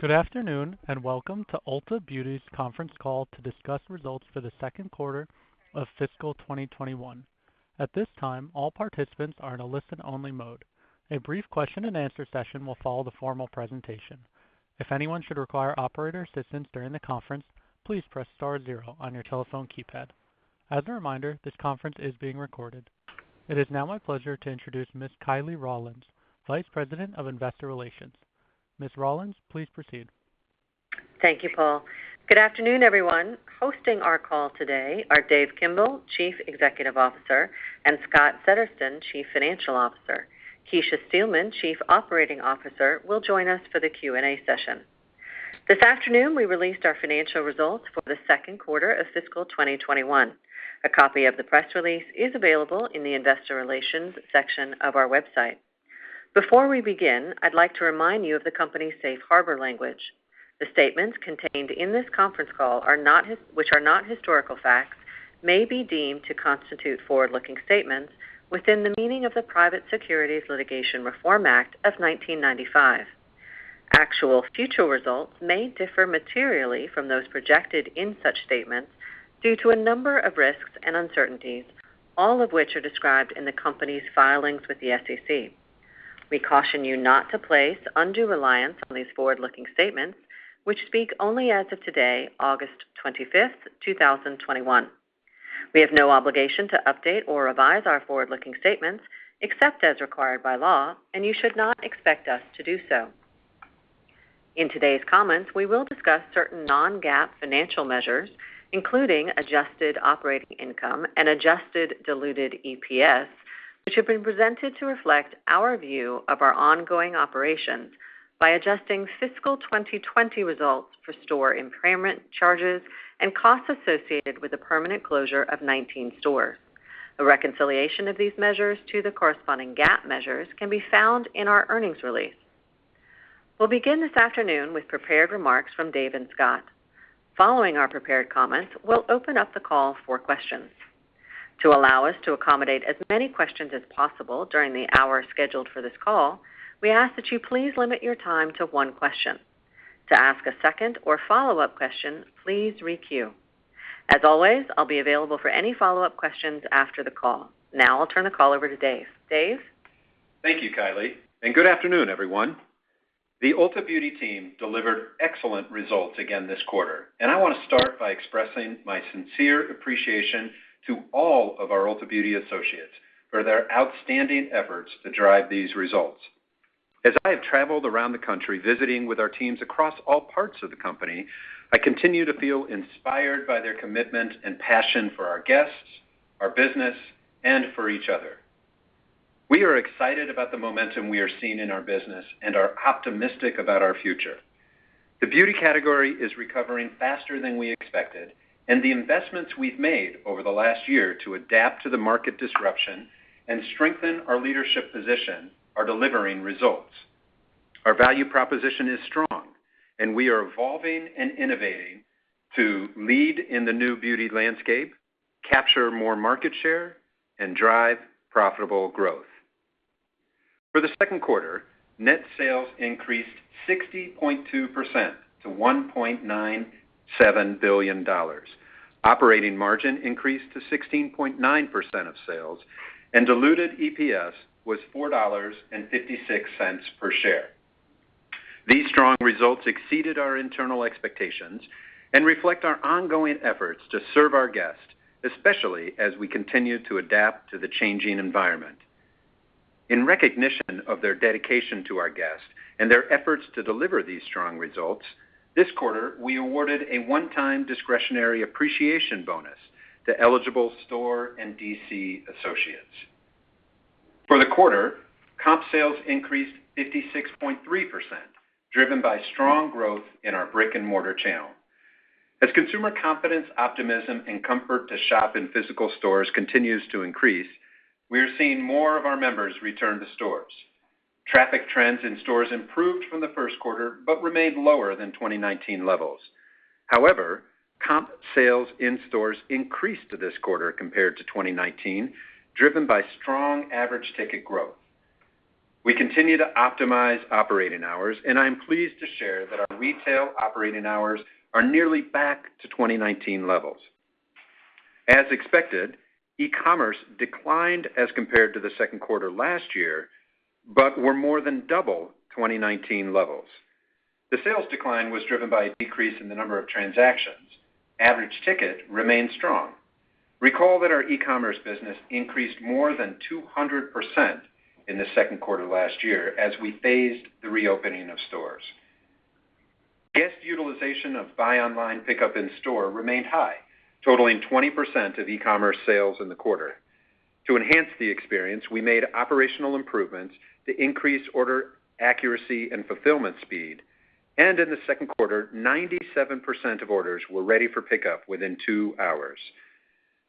Good afternoon, and welcome to Ulta Beauty's conference call to discuss results for the second quarter of fiscal 2021. At this time all participants are on listen only mode. A brief question and answer session will follow the formal presentation. If anyone should require operator's assistance during the conference, please press star zero on your telephone keypad. As a reminder this call is being recorded. It is now my pleasure to introduce Ms. Kiley Rawlins, Vice President of Investor Relations. Ms. Rawlins, please proceed. Thank you, Paul. Good afternoon, everyone. Hosting our call today are Dave Kimbell, Chief Executive Officer, and Scott Settersten, Chief Financial Officer. Kecia Steelman, Chief Operating Officer, will join us for the Q&A session. This afternoon, we released our financial results for the second quarter of fiscal 2021. A copy of the press release is available in the investor relations section of our website. Before we begin, I'd like to remind you of the company's safe harbor language. The statements contained in this conference call, which are not historical facts, may be deemed to constitute forward-looking statements within the meaning of the Private Securities Litigation Reform Act of 1995. Actual future results may differ materially from those projected in such statements due to a number of risks and uncertainties, all of which are described in the company's filings with the SEC. We caution you not to place undue reliance on these forward-looking statements, which speak only as of today, August 25th, 2021. We have no obligation to update or revise our forward-looking statements, except as required by law, and you should not expect us to do so. In today's comments, we will discuss certain non-GAAP financial measures, including adjusted operating income and adjusted diluted EPS, which have been presented to reflect our view of our ongoing operations by adjusting fiscal 2020 results for store impairment charges and costs associated with the permanent closure of 19 stores. A reconciliation of these measures to the corresponding GAAP measures can be found in our earnings release. We'll begin this afternoon with prepared remarks from Dave and Scott. Following our prepared comments, we'll open up the call for questions. To allow us to accommodate as many questions as possible during the hour scheduled for this call, we ask that you please limit your time to one question. To ask a second or follow-up question, please re-queue. As always, I'll be available for any follow-up questions after the call. Now, I'll turn the call over to Dave. Dave? Thank you, Kiley. Good afternoon, everyone. The Ulta Beauty team delivered excellent results again this quarter, and I want to start by expressing my sincere appreciation to all of our Ulta Beauty associates for their outstanding efforts to drive these results. As I have traveled around the country, visiting with our teams across all parts of the company, I continue to feel inspired by their commitment and passion for our guests, our business, and for each other. We are excited about the momentum we are seeing in our business and are optimistic about our future. The beauty category is recovering faster than we expected, and the investments we've made over the last year to adapt to the market disruption and strengthen our leadership position are delivering results. Our value proposition is strong. We are evolving and innovating to lead in the new beauty landscape, capture more market share, and drive profitable growth. For the second quarter, net sales increased 60.2% to $1.97 billion. Operating margin increased to 16.9% of sales. Diluted EPS was $4.56 per share. These strong results exceeded our internal expectations and reflect our ongoing efforts to serve our guests, especially as we continue to adapt to the changing environment. In recognition of their dedication to our guests and their efforts to deliver these strong results, this quarter, we awarded a one-time discretionary appreciation bonus to eligible store and DC associates. For the quarter, comp sales increased 56.3%, driven by strong growth in our brick-and-mortar channel. As consumer confidence, optimism, and comfort to shop in physical stores continues to increase, we are seeing more of our members return to stores. Traffic trends in stores improved from the first quarter but remained lower than 2019 levels. However, comp sales in stores increased this quarter compared to 2019, driven by strong average ticket growth. We continue to optimize operating hours, and I am pleased to share that our retail operating hours are nearly back to 2019 levels. As expected, e-commerce declined as compared to the second quarter last year, but were more than double 2019 levels. The sales decline was driven by a decrease in the number of transactions. Average ticket remained strong. Recall that our e-commerce business increased more than 200% in the second quarter last year as we phased the reopening of stores. Guest utilization of buy online, pickup in store remained high, totaling 20% of e-commerce sales in the quarter. To enhance the experience, we made operational improvements to increase order accuracy and fulfillment speed, and in the second quarter, 97% of orders were ready for pickup within two hours.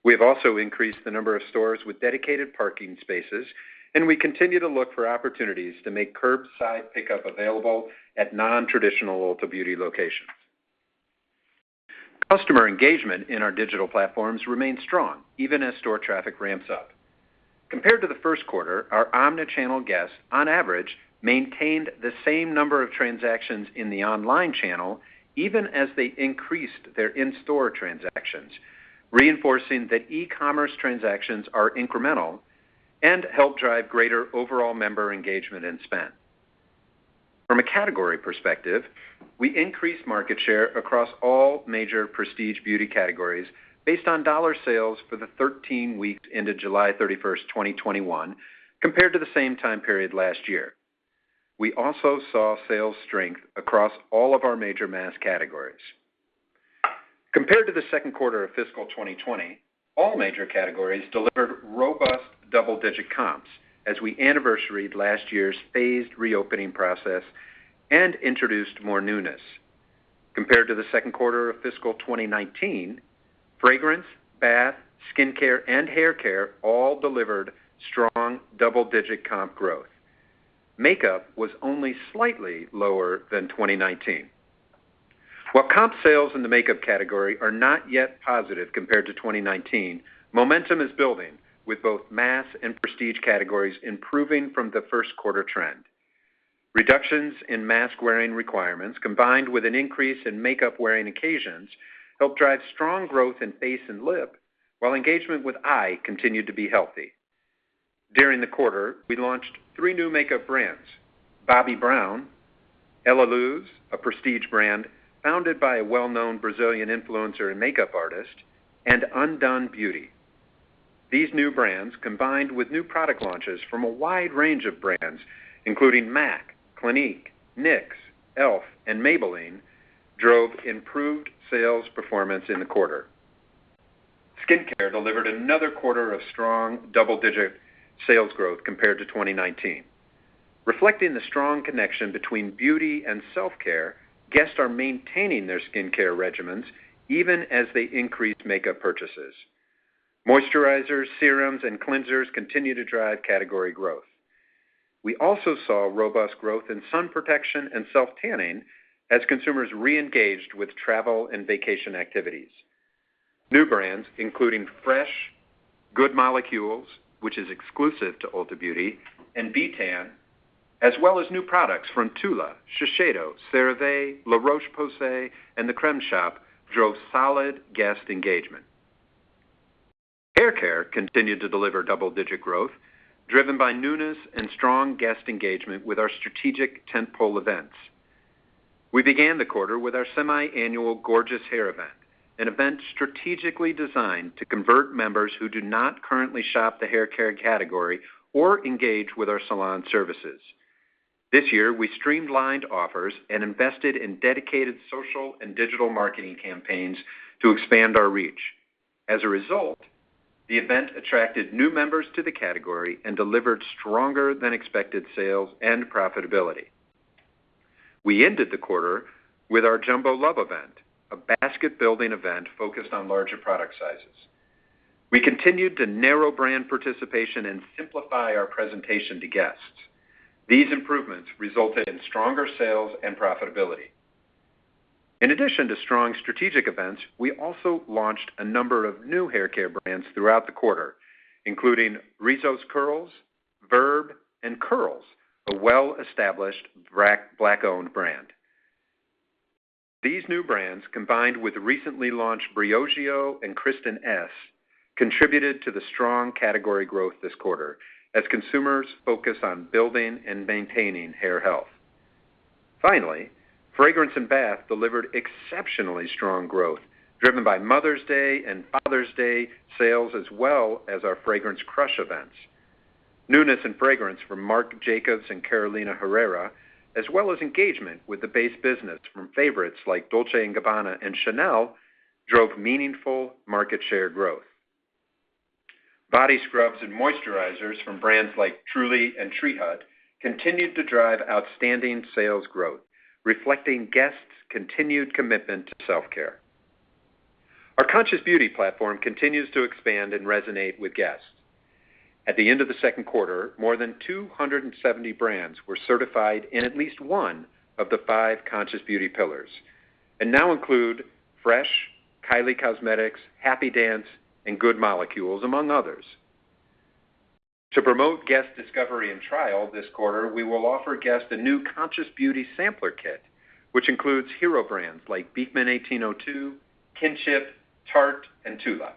We have also increased the number of stores with dedicated parking spaces, and we continue to look for opportunities to make curbside pickup available at non-traditional Ulta Beauty locations. Customer engagement in our digital platforms remains strong, even as store traffic ramps up. Compared to the first quarter, our omni-channel guests, on average, maintained the same number of transactions in the online channel, even as they increased their in-store transactions, reinforcing that e-commerce transactions are incremental and help drive greater overall member engagement and spend. From a category perspective, we increased market share across all major prestige beauty categories based on dollar sales for the 13 weeks ended July 31st, 2021, compared to the same time period last year. We also saw sales strength across all of our major mass categories. Compared to the second quarter of fiscal 2020, all major categories delivered robust double-digit comps as we anniversaried last year's phased reopening process and introduced more newness. Compared to the second quarter of fiscal 2019, fragrance, bath, skincare, and haircare all delivered strong double-digit comp growth. Makeup was only slightly lower than 2019. While comp sales in the makeup category are not yet positive compared to 2019, momentum is building, with both mass and prestige categories improving from the first-quarter trend. Reductions in mask-wearing requirements, combined with an increase in makeup-wearing occasions, helped drive strong growth in face and lip, while engagement with eye continued to be healthy. During the quarter, we launched three new makeup brands, Bobbi Brown, Bruna Tavares, a prestige brand founded by a well-known Brazilian influencer and makeup artist, and Undone Beauty. These new brands, combined with new product launches from a wide range of brands, including MAC, Clinique, NYX, e.l.f., and Maybelline, drove improved sales performance in the quarter. Skincare delivered another quarter of strong double-digit sales growth compared to 2019. Reflecting the strong connection between beauty and self-care, guests are maintaining their skincare regimens even as they increase makeup purchases. Moisturizers, serums, and cleansers continue to drive category growth. We also saw robust growth in sun protection and self-tanning as consumers re-engaged with travel and vacation activities. New brands, including Fresh, Good Molecules, which is exclusive to Ulta Beauty, and b.tan, as well as new products from TULA, Shiseido, CeraVe, La Roche-Posay, and The Crème Shop, drove solid guest engagement. Haircare continued to deliver double-digit growth, driven by newness and strong guest engagement with our strategic tentpole events. We began the quarter with our semi-annual Gorgeous Hair Event, an event strategically designed to convert members who do not currently shop the haircare category or engage with our salon services. This year, we streamlined offers and invested in dedicated social and digital marketing campaigns to expand our reach. As a result, the event attracted new members to the category and delivered stronger than expected sales and profitability. We ended the quarter with our Jumbo Love Event, a basket-building event focused on larger product sizes. We continued to narrow brand participation and simplify our presentation to guests. These improvements resulted in stronger sales and profitability. In addition to strong strategic events, we also launched a number of new haircare brands throughout the quarter, including Rizos Curls, Verb, and Curls, a well-established Black-owned brand. These new brands, combined with recently launched Briogeo and Kristin Ess, contributed to the strong category growth this quarter as consumers focus on building and maintaining hair health. Finally, fragrance and bath delivered exceptionally strong growth, driven by Mother's Day and Father's Day sales, as well as our Fragrance Crush events. Newness in fragrance from Marc Jacobs and Carolina Herrera, as well as engagement with the base business from favorites like Dolce & Gabbana and Chanel, drove meaningful market share growth. Body scrubs and moisturizers from brands like Truly and Tree Hut continued to drive outstanding sales growth, reflecting guests' continued commitment to self-care. Our conscious beauty platform continues to expand and resonate with guests. At the end of the second quarter, more than 270 brands were certified in at least one of the five conscious beauty pillars and now include Fresh, Kylie Cosmetics, Happy Dance, and Good Molecules, among others. To promote guest discovery and trial this quarter, we will offer guests a new conscious beauty sampler kit, which includes hero brands like Beekman 1802, Kinship, Tarte, and TULA.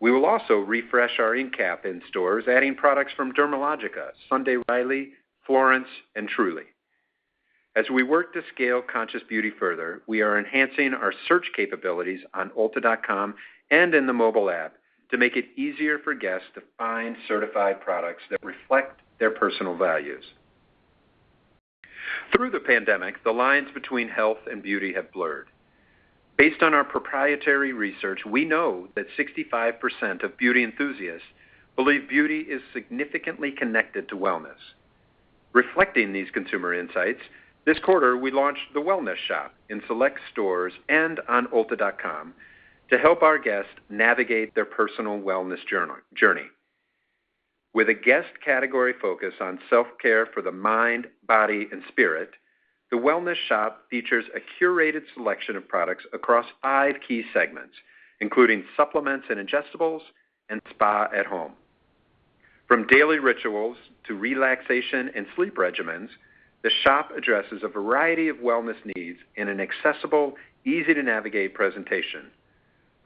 We will also refresh our endcap in stores, adding products from Dermalogica, Sunday Riley, Florence, and Truly. As we work to scale conscious beauty further, we are enhancing our search capabilities on ulta.com and in the mobile app to make it easier for guests to find certified products that reflect their personal values. Through the pandemic, the lines between health and beauty have blurred. Based on our proprietary research, we know that 65% of beauty enthusiasts believe beauty is significantly connected to wellness. Reflecting these consumer insights, this quarter, we launched the Wellness Shop in select stores and on ulta.com to help our guests navigate their personal wellness journey. With a guest category focus on self-care for the mind, body, and spirit, the Wellness Shop features a curated selection of products across 5 key segments, including supplements and ingestibles, and spa at home. From daily rituals to relaxation and sleep regimens, the shop addresses a variety of wellness needs in an accessible, easy-to-navigate presentation.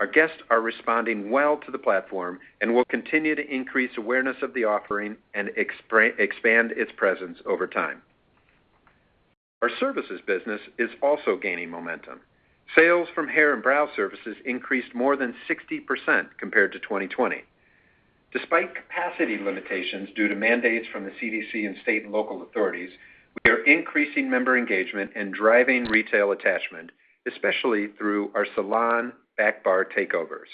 Our guests are responding well to the platform, and we'll continue to increase awareness of the offering and expand its presence over time. Our services business is also gaining momentum. Sales from hair and brow services increased more than 60% compared to 2020. Despite capacity limitations due to mandates from the CDC and state and local authorities, we are increasing member engagement and driving retail attachment, especially through our salon back bar takeovers.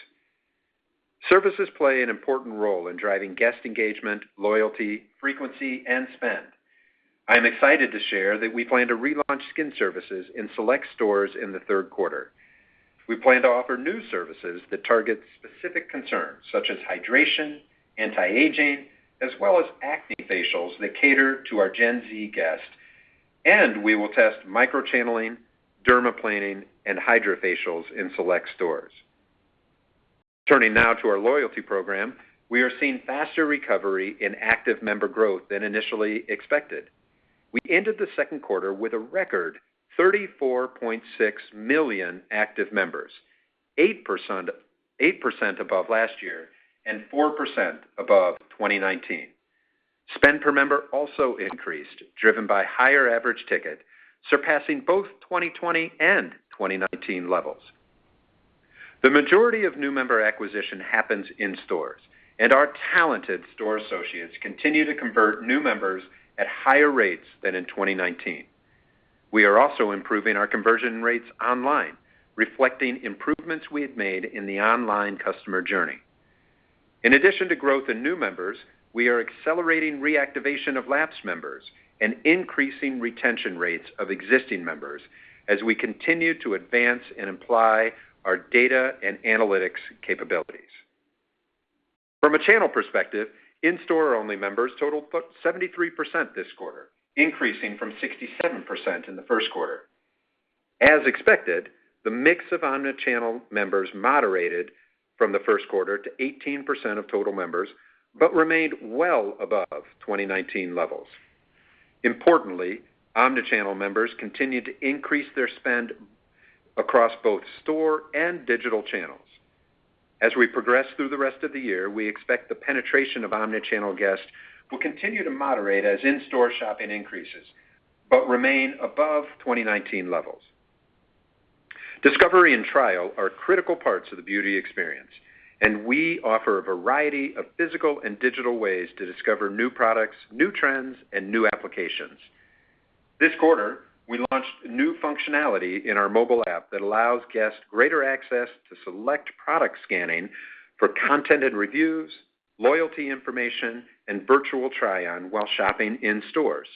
Services play an important role in driving guest engagement, loyalty, frequency, and spend. I am excited to share that we plan to relaunch skin services in select stores in the third quarter. We plan to offer new services that target specific concerns such as hydration, anti-aging, as well as acne facials that cater to our Gen Z guests, and we will test microchanneling, dermaplaning, and HydraFacials in select stores. Turning now to our loyalty program, we are seeing faster recovery in active member growth than initially expected. We ended the second quarter with a record 34.6 million active members, 8% above last year and 4% above 2019. Spend per member also increased, driven by higher average ticket, surpassing both 2020 and 2019 levels. The majority of new member acquisition happens in stores, and our talented store associates continue to convert new members at higher rates than in 2019. We are also improving our conversion rates online, reflecting improvements we have made in the online customer journey. In addition to growth in new members, we are accelerating reactivation of lapsed members and increasing retention rates of existing members as we continue to advance and apply our data and analytics capabilities. From a channel perspective, in-store only members totaled 73% this quarter, increasing from 67% in the first quarter. As expected, the mix of omni-channel members moderated from the first quarter to 18% of total members, but remained well above 2019 levels. Importantly, omni-channel members continued to increase their spend across both store and digital channels. As we progress through the rest of the year, we expect the penetration of omni-channel guests will continue to moderate as in-store shopping increases, but remain above 2019 levels. Discovery and trial are critical parts of the beauty experience, and we offer a variety of physical and digital ways to discover new products, new trends, and new applications. This quarter, we launched new functionality in our mobile app that allows guests greater access to select product scanning for content and reviews, loyalty information, and virtual try-on while shopping in stores.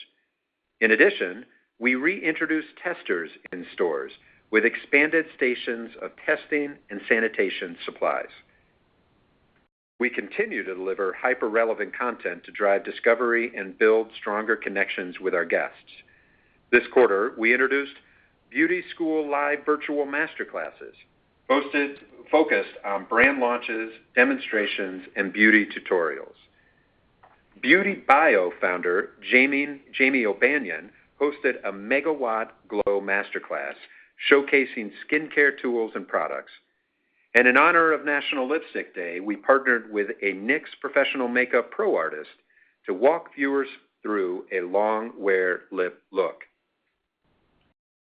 In addition, we reintroduced testers in stores with expanded stations of testing and sanitation supplies. We continue to deliver hyper-relevant content to drive discovery and build stronger connections with our guests. This quarter, we introduced Beauty School Live virtual master classes, focused on brand launches, demonstrations, and beauty tutorials. BeautyBio founder, Jamie O'Banion, hosted a Megawatt Glow masterclass showcasing skincare tools and products. In honor of National Lipstick Day, we partnered with a NYX Professional Makeup pro artist to walk viewers through a long-wear lip look.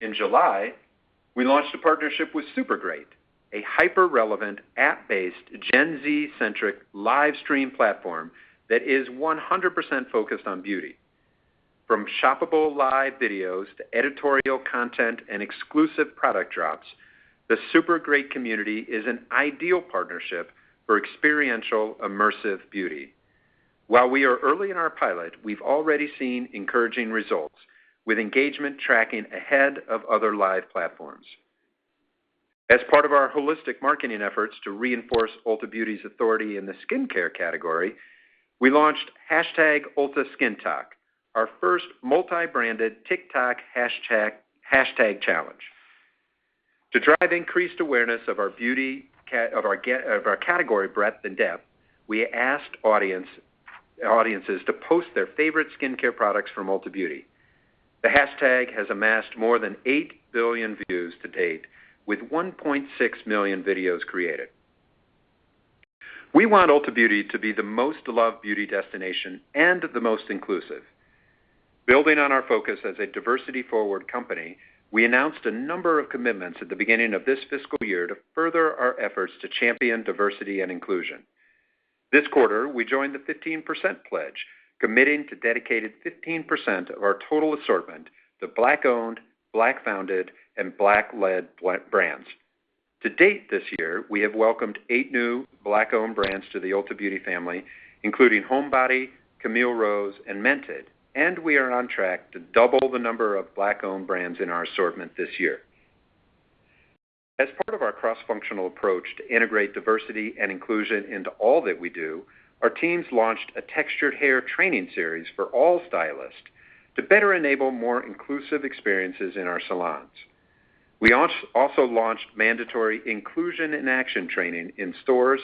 In July, we launched a partnership with Supergreat, a hyper-relevant, app-based, Gen Z-centric live stream platform that is 100% focused on beauty. From shoppable live videos to editorial content and exclusive product drops, the Supergreat community is an ideal partnership for experiential, immersive beauty. While we are early in our pilot, we've already seen encouraging results, with engagement tracking ahead of other live platforms. As part of our holistic marketing efforts to reinforce Ulta Beauty's authority in the skincare category, we launched #ultaskintok, our first multi-branded TikTok hashtag challenge. To drive increased awareness of our category breadth and depth, we asked audiences to post their favorite skincare products from Ulta Beauty. The hashtag has amassed more than 8 billion views to date, with 1.6 million videos created. We want Ulta Beauty to be the most loved beauty destination and the most inclusive. Building on our focus as a diversity-forward company, we announced a number of commitments at the beginning of this fiscal year to further our efforts to champion diversity and inclusion. This quarter, we joined the Fifteen Percent Pledge, committing to dedicated 15% of our total assortment to Black-owned, Black-founded, and Black-led brands. To date this year, we have welcomed eight new Black-owned brands to the Ulta Beauty family, including Homebody, Camille Rose, and Mented. We are on track to double the number of Black-owned brands in our assortment this year. As part of our cross-functional approach to integrate diversity and inclusion into all that we do, our teams launched a textured hair training series for all stylists to better enable more inclusive experiences in our salons. We also launched mandatory inclusion and action training in stores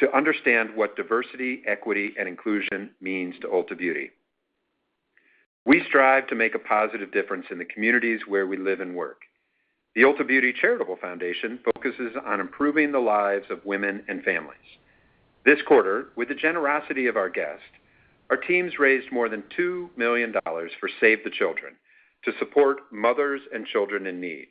to understand what diversity, equity, and inclusion means to Ulta Beauty. We strive to make a positive difference in the communities where we live and work. The Ulta Beauty Charitable Foundation focuses on improving the lives of women and families. This quarter, with the generosity of our guests, our teams raised more than $2 million for Save the Children to support mothers and children in need.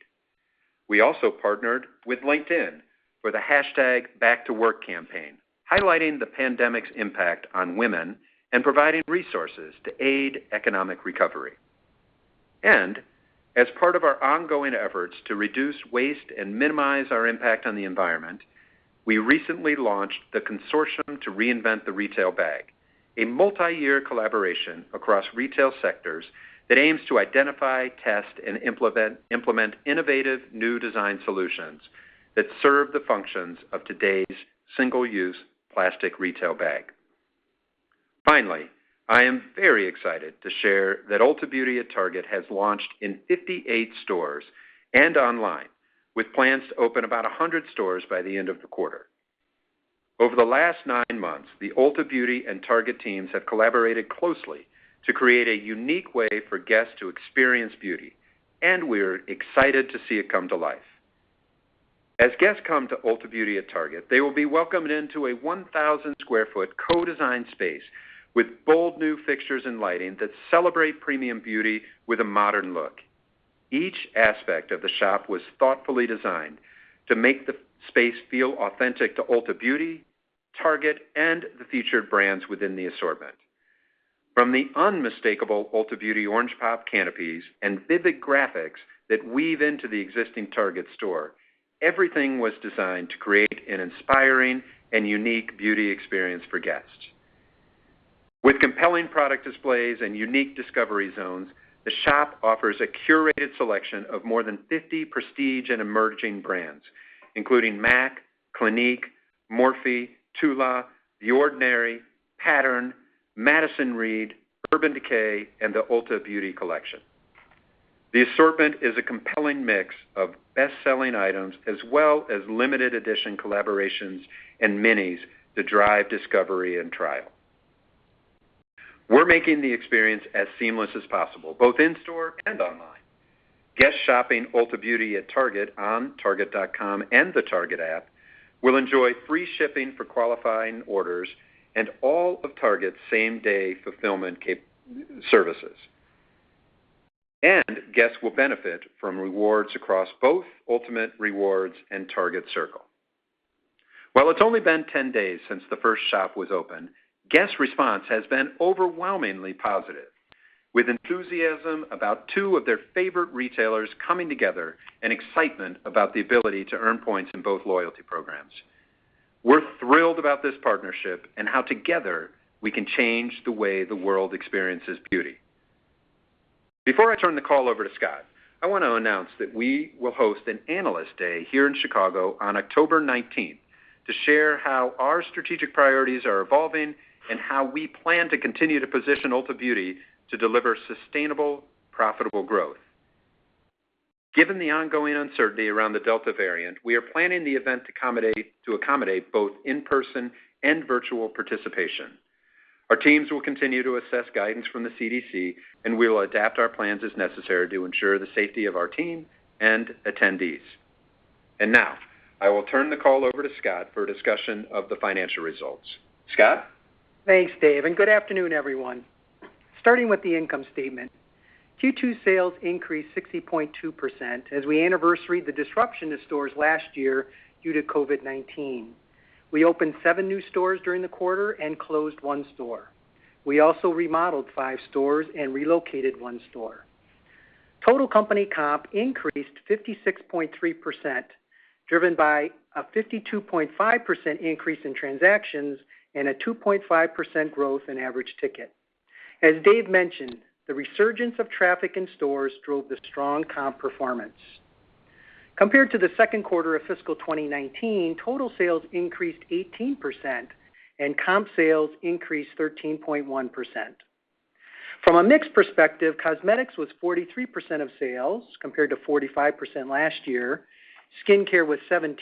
We also partnered with LinkedIn for the #BackToWork campaign, highlighting the pandemic's impact on women and providing resources to aid economic recovery. As part of our ongoing efforts to reduce waste and minimize our impact on the environment, we recently launched the Consortium to Reinvent the Retail Bag, a multi-year collaboration across retail sectors that aims to identify, test, and implement innovative new design solutions that serve the functions of today's single-use plastic retail bag. I am very excited to share that Ulta Beauty at Target has launched in 58 stores and online, with plans to open about 100 stores by the end of the quarter. Over the last nine months, the Ulta Beauty and Target teams have collaborated closely to create a unique way for guests to experience beauty, and we're excited to see it come to life. As guests come to Ulta Beauty at Target, they will be welcomed into a 1,000 sq ft co-design space with bold new fixtures and lighting that celebrate premium beauty with a modern look. Each aspect of the shop was thoughtfully designed to make the space feel authentic to Ulta Beauty, Target, and the featured brands within the assortment. From the unmistakable Ulta Beauty orange pop canopies and vivid graphics that weave into the existing Target store, everything was designed to create an inspiring and unique beauty experience for guests. With compelling product displays and unique discovery zones, the shop offers a curated selection of more than 50 prestige and emerging brands, including MAC, Clinique, Morphe, TULA, The Ordinary, PATTERN, Madison Reed, Urban Decay, and the Ulta Beauty Collection. The assortment is a compelling mix of best-selling items as well as limited edition collaborations and minis to drive discovery and trial. We're making the experience as seamless as possible, both in-store and online. Guests shopping Ulta Beauty at Target on target.com and the Target app will enjoy free shipping for qualifying orders and all of Target's same-day fulfillment services. Guests will benefit from rewards across both Ultamate Rewards and Target Circle. While it's only been 10 days since the first shop was opened, guests' response has been overwhelmingly positive, with enthusiasm about two of their favorite retailers coming together and excitement about the ability to earn points in both loyalty programs. We're thrilled about this partnership and how together we can change the way the world experiences beauty. Before I turn the call over to Scott, I want to announce that we will host an Analyst Day here in Chicago on October 19th to share how our strategic priorities are evolving and how we plan to continue to position Ulta Beauty to deliver sustainable, profitable growth. Given the ongoing uncertainty around the Delta variant, we are planning the event to accommodate both in-person and virtual participation. Our teams will continue to assess guidance from the CDC, and we will adapt our plans as necessary to ensure the safety of our team and attendees. Now, I will turn the call over to Scott for a discussion of the financial results. Scott? Thanks, Dave. Good afternoon, everyone. Starting with the income statement. Q2 sales increased 60.2% as we anniversaried the disruption to stores last year due to COVID-19. We opened seven new stores during the quarter and closed one store. We also remodeled five stores and relocated one store. Total company comp increased 56.3%, driven by a 52.5% increase in transactions and a 2.5% growth in average ticket. As Dave mentioned, the resurgence of traffic in stores drove the strong comp performance. Compared to the second quarter of fiscal 2019, total sales increased 18% and comp sales increased 13.1%. From a mix perspective, cosmetics was 43% of sales, compared to 45% last year. Skincare was 17%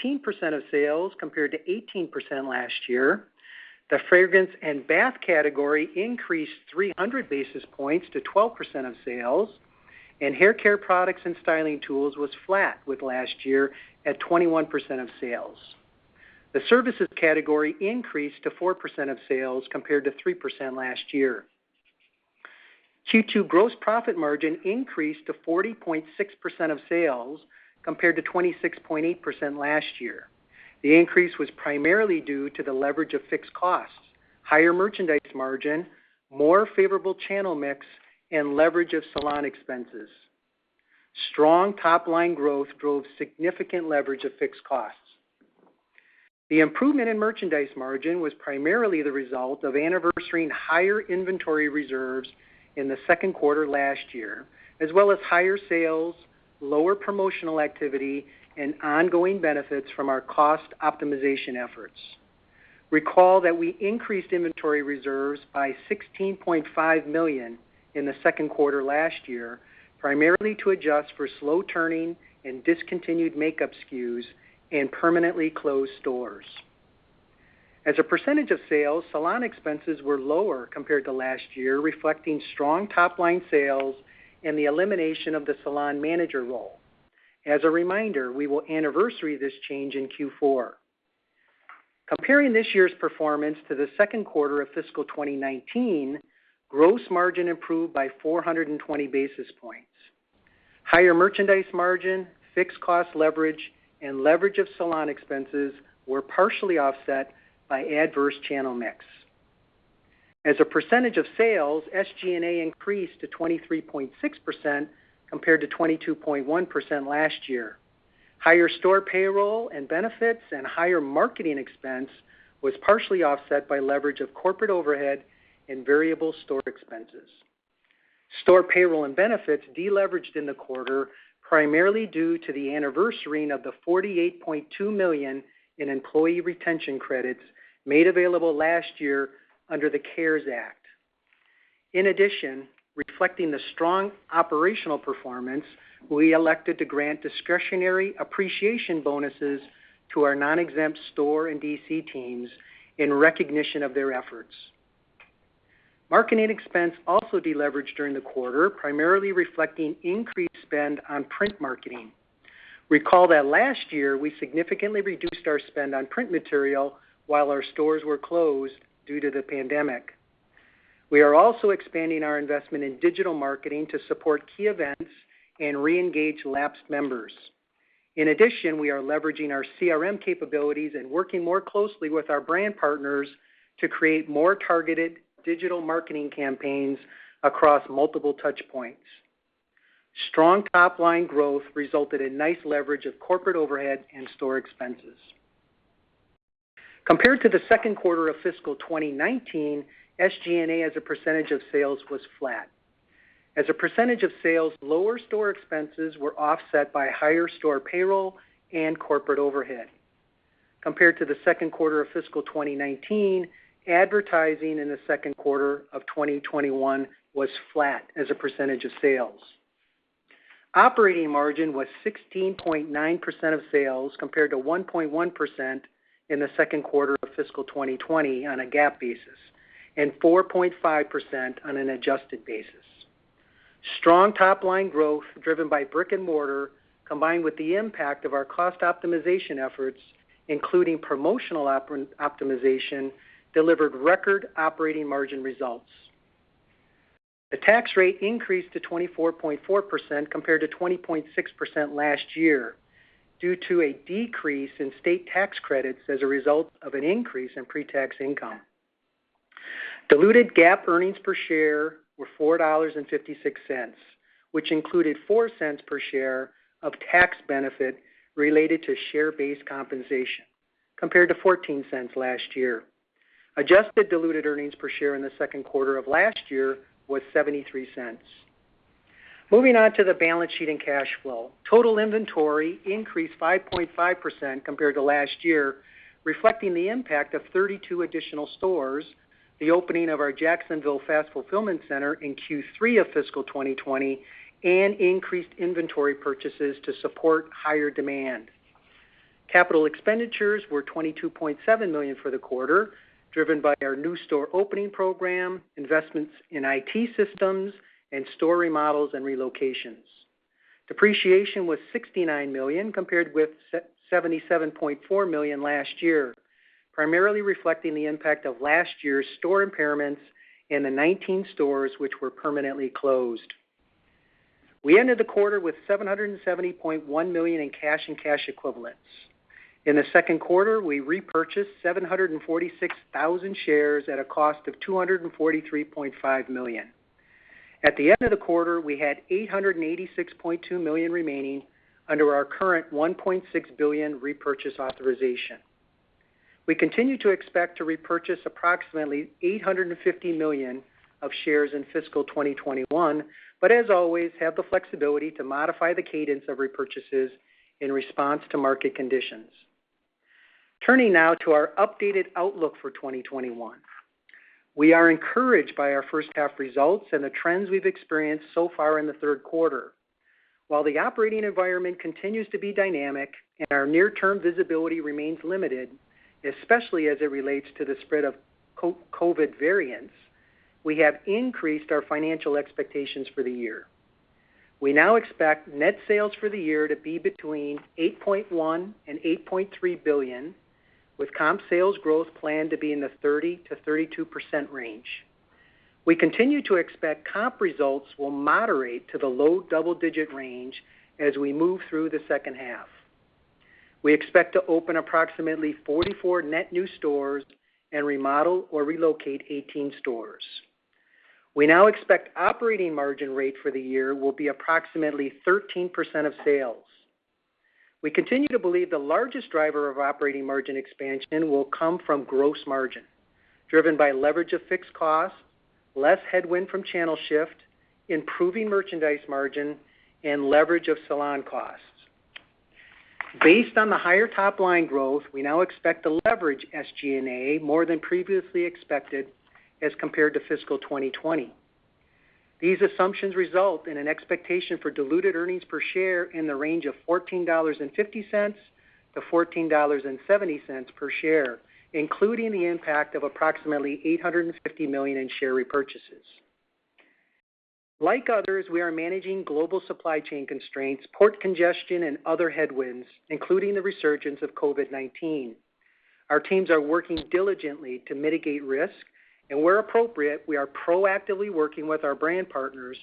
of sales, compared to 18% last year. The fragrance and bath category increased 300 basis points to 12% of sales, and haircare products and styling tools was flat with last year at 21% of sales. The services category increased to 4% of sales, compared to 3% last year. Q2 gross profit margin increased to 40.6% of sales, compared to 26.8% last year. The increase was primarily due to the leverage of fixed costs, higher merchandise margin, more favorable channel mix, and leverage of salon expenses. Strong top-line growth drove significant leverage of fixed costs. The improvement in merchandise margin was primarily the result of anniversarying higher inventory reserves in the second quarter last year, as well as higher sales, lower promotional activity, and ongoing benefits from our cost optimization efforts. Recall that we increased inventory reserves by $16.5 million in the second quarter last year, primarily to adjust for slow-turning and discontinued makeup SKUs and permanently closed stores. As a percentage of sales, salon expenses were lower compared to last year, reflecting strong top-line sales and the elimination of the salon manager role. As a reminder, we will anniversary this change in Q4. Comparing this year's performance to the second quarter of fiscal 2019, gross margin improved by 420 basis points. Higher merchandise margin, fixed cost leverage, and leverage of salon expenses were partially offset by adverse channel mix. As a percentage of sales, SG&A increased to 23.6% compared to 22.1% last year. Higher store payroll and benefits and higher marketing expense was partially offset by leverage of corporate overhead and variable store expenses. Store payroll and benefits deleveraged in the quarter, primarily due to the anniversarying of the $48.2 million in employee retention credits made available last year under the CARES Act. In addition, reflecting the strong operational performance, we elected to grant discretionary appreciation bonuses to our non-exempt store and DC teams in recognition of their efforts. Marketing expense also deleveraged during the quarter, primarily reflecting increased spend on print marketing. Recall that last year, we significantly reduced our spend on print material while our stores were closed due to the pandemic. We are also expanding our investment in digital marketing to support key events and reengage lapsed members. In addition, we are leveraging our CRM capabilities and working more closely with our brand partners to create more targeted digital marketing campaigns across multiple touchpoints. Strong top-line growth resulted in nice leverage of corporate overhead and store expenses. Compared to the second quarter of fiscal 2019, SGA as a percentage of sales was flat. As a percentage of sales, lower store expenses were offset by higher store payroll and corporate overhead. Compared to the second quarter of fiscal 2019, advertising in the second quarter of 2021 was flat as a percentage of sales. Operating margin was 16.9% of sales compared to 1.1% in the second quarter of fiscal 2020 on a GAAP basis, and 4.5% on an adjusted basis. Strong top-line growth driven by brick and mortar, combined with the impact of our cost optimization efforts, including promotional optimization, delivered record operating margin results. The tax rate increased to 24.4% compared to 20.6% last year due to a decrease in state tax credits as a result of an increase in pre-tax income. Diluted GAAP earnings per share were $4.56, which included $0.04 per share of tax benefit related to share-based compensation, compared to $0.14 last year. Adjusted diluted earnings per share in the second quarter of last year was $0.73. Moving on to the balance sheet and cash flow. Total inventory increased 5.5% compared to last year, reflecting the impact of 32 additional stores, the opening of our Jacksonville fast fulfillment center in Q3 of fiscal 2020, and increased inventory purchases to support higher demand. Capital expenditures were $22.7 million for the quarter, driven by our new store opening program, investments in IT systems, and store remodels and relocations. Depreciation was $69 million compared with $77.4 million last year, primarily reflecting the impact of last year's store impairments and the 19 stores which were permanently closed. We ended the quarter with $770.1 million in cash and cash equivalents. In the second quarter, we repurchased 746,000 shares at a cost of $243.5 million. At the end of the quarter, we had $886.2 million remaining under our current $1.6 billion repurchase authorization. We continue to expect to repurchase approximately $850 million of shares in fiscal 2021, but as always, have the flexibility to modify the cadence of repurchases in response to market conditions. Turning now to our updated outlook for 2021. We are encouraged by our first half results and the trends we've experienced so far in the third quarter. While the operating environment continues to be dynamic and our near-term visibility remains limited, especially as it relates to the spread of COVID variants, we have increased our financial expectations for the year. We now expect net sales for the year to be between $8.1 billion and $8.3 billion, with comp sales growth planned to be in the 30%-32% range. We continue to expect comp results will moderate to the low double-digit range as we move through the second half. We expect to open approximately 44 net new stores and remodel or relocate 18 stores. We now expect operating margin rate for the year will be approximately 13% of sales. We continue to believe the largest driver of operating margin expansion will come from gross margin, driven by leverage of fixed costs, less headwind from channel shift, improving merchandise margin, and leverage of salon costs. Based on the higher top-line growth, we now expect to leverage SG&A more than previously expected as compared to fiscal 2020. These assumptions result in an expectation for diluted earnings per share in the range of $14.50-$14.70 per share, including the impact of approximately $850 million in share repurchases. Like others, we are managing global supply chain constraints, port congestion, and other headwinds, including the resurgence of COVID-19. Our teams are working diligently to mitigate risk, and where appropriate, we are proactively working with our brand partners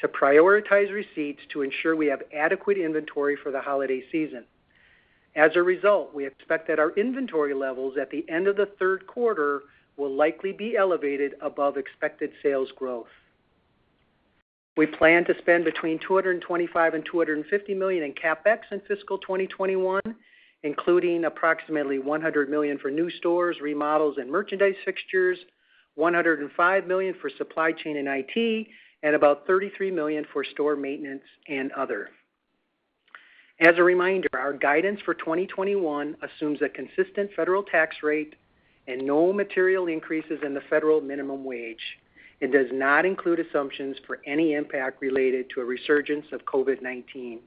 to prioritize receipts to ensure we have adequate inventory for the holiday season. As a result, we expect that our inventory levels at the end of the third quarter will likely be elevated above expected sales growth. We plan to spend between $225 million and $250 million in CapEx in fiscal 2021, including approximately $100 million for new stores, remodels, and merchandise fixtures, $105 million for supply chain and IT, and about $33 million for store maintenance and other. As a reminder, our guidance for 2021 assumes a consistent federal tax rate and no material increases in the federal minimum wage. It does not include assumptions for any impact related to a resurgence of COVID-19.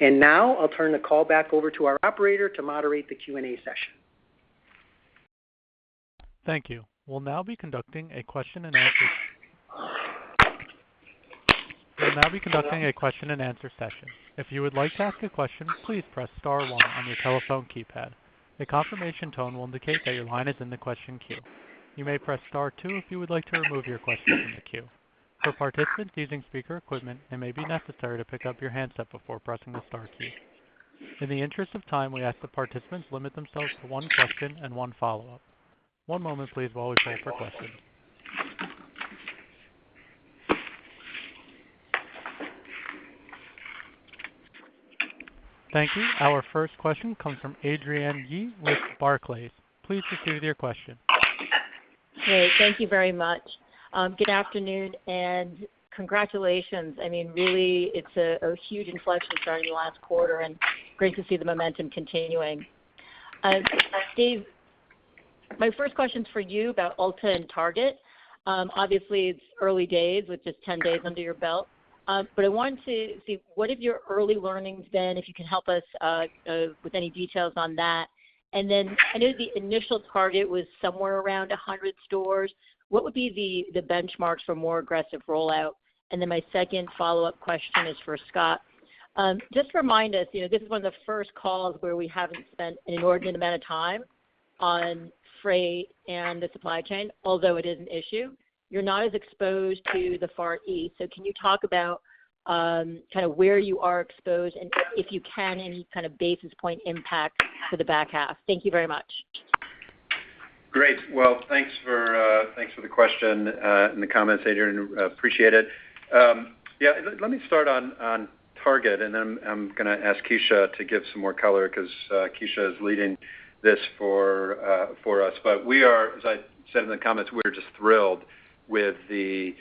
Now I'll turn the call back over to our operator to moderate the Q&A session. Thank you. We'll now be conducting a question and answer session. If you would like to ask a question please press star one on your telephone keypad. A confirmation tone will indicate that your line is on the question queue . You may press star two if you would like to remove your question from the queue. For participants using speaker equipment it may be necessary to pick up your handset before pressing the star keys. The interest of time, we ask that participants limit themselves to one question and one follow-up. One moment please while we pull up our questions. Thank you. Our first question comes from Adrienne Yih with Barclays. Please proceed with your question. Great. Thank you very much. Good afternoon and congratulations. Really, it's a huge inflection starting the last quarter, and great to see the momentum continuing. Dave, my first question's for you about Ulta and Target. Obviously, it's early days with just 10 days under your belt. I wanted to see, what have your early learnings been, if you can help us with any details on that? I know the initial target was somewhere around 100 stores. What would be the benchmarks for more aggressive rollout? My second follow-up question is for Scott. Just remind us, this is one of the first calls where we haven't spent an inordinate amount of time on freight and the supply chain, although it is an issue. You're not as exposed to the Far East, can you talk about where you are exposed, and if you can, any kind of basis point impact for the back half? Thank you very much. Great. Well, thanks for the question and the comments, Adrienne. Appreciate it. Yeah, let me start on Target, and then I'm going to ask Kecia to give some more color because Kecia is leading this for us. As I said in the comments, we're just thrilled with the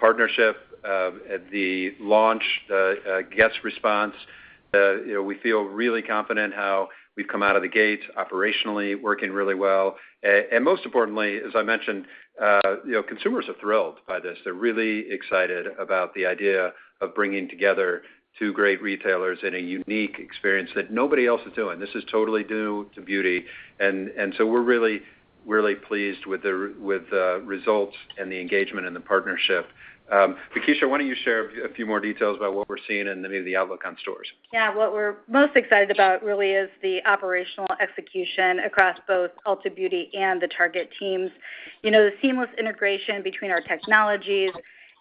partnership, the launch, the guest response. We feel really confident how we've come out of the gate operationally, working really well. Most importantly, as I mentioned, consumers are thrilled by this. They're really excited about the idea of bringing together two great retailers in a unique experience that nobody else is doing. This is totally new to beauty, and so we're really pleased with the results, and the engagement, and the partnership. Kecia, why don't you share a few more details about what we're seeing and maybe the outlook on stores? Yeah. What we're most excited about really is the operational execution across both Ulta Beauty and the Target teams. The seamless integration between our technologies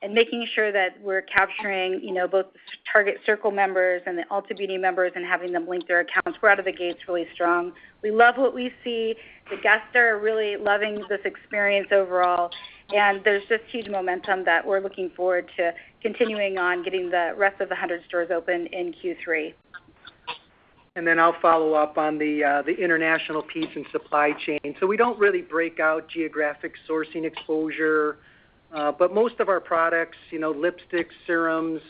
and making sure that we're capturing both Target Circle members and the Ulta Beauty members, and having them link their accounts. We're out of the gate really strong. We love what we see. The guests are really loving this experience overall, and there's this huge momentum that we're looking forward to continuing on getting the rest of the 100 stores open in Q3. I'll follow up on the international piece and supply chain. We don't really break out geographic sourcing exposure. Most of our products, lipsticks, serums,